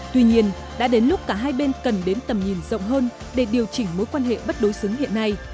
tuy nhiên đã đến lúc cả hai bên cần đến tầm nhìn rộng hơn để điều chỉnh mối quan hệ bất đối xứng hiện nay